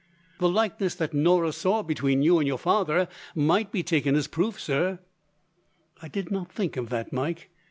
"The likeness that Norah saw between you and your father might be taken as a proof, sir." "I did not think of that, Mike.